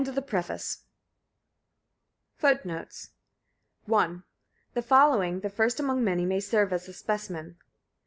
THE TRANSLATOR. FOOTNOTES: [Footnote 1: The following, the first among many, may serve as a specimen.